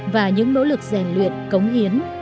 và những nỗ lực rèn luyện cống hiến